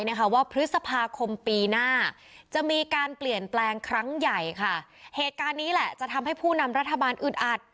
นะคะว่าพฤษภาคมปีหน้าจะมีการเปลี่ยนแปลงครั้งใหญ่ค่ะเหตุการณ์นี้แหละจะทำให้ผู้นำรัฐบาลอึดอัด